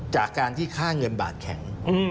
จากการที่ค่าเงินบาทแข็ง